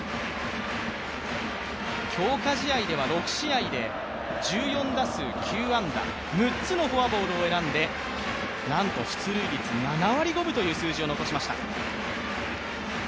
強化試合では６試合で１４打数９安打６つのフォアボールを選んで、なんと出塁率７割５分という数字を残しました。